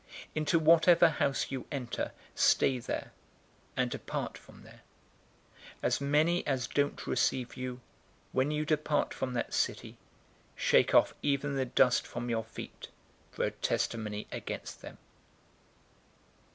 009:004 Into whatever house you enter, stay there, and depart from there. 009:005 As many as don't receive you, when you depart from that city, shake off even the dust from your feet for a testimony against them."